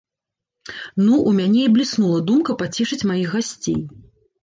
Ну, у мяне і бліснула думка пацешыць маіх гасцей.